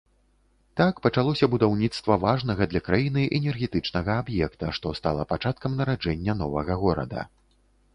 Так пачалося будаўніцтва важнага для краіны энергетычнага аб'екта, што стала пачаткам нараджэння новага горада.